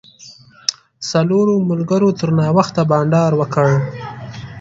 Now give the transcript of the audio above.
څلورو ملګرو تر ناوخته بانډار وکړ.